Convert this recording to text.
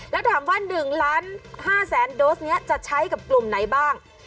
แล้วถามว่า๑ล้าน๕แสนโดสนี้จะใช้กับกลุ่มไหนบ้าง